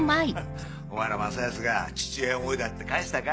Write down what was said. お前ら正恭が父親思いだって返したか？